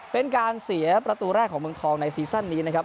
เป็นการเสียประตูแรกของเมืองทองในซีซั่นนี้นะครับ